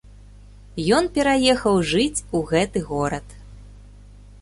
Ён пераехаў жыць у гэты горад.